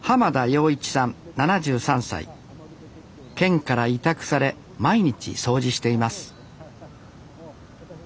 県から委託され毎日掃除しています